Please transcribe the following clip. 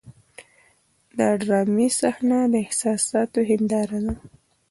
د ډرامې صحنه د احساساتو هنداره ده.